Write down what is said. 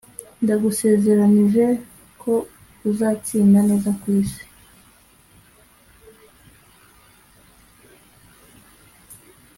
ndagusezeranije ko uzatsinda neza kwisi.